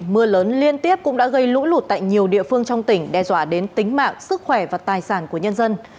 mưa lớn liên tiếp cũng đã gây lũ lụt tại nhiều địa phương trong tỉnh đe dọa đến tính mạng sức khỏe và tài sản của nhân dân